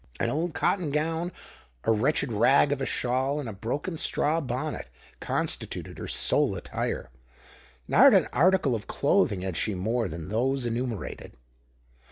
An old cotton gown, a wretched rag of a shawl, and a broken straw bonnet, constituted her sole attire. Not an article of clothing had she more than those enumerated.